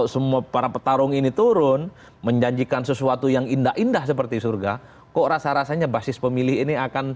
seperti tahun dua ribu sembilan belas